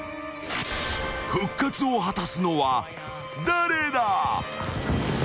［復活を果たすのは誰だ？］